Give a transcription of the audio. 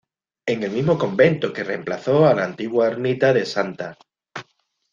En el mismo convento que reemplazó a la antigua ermita de Sta.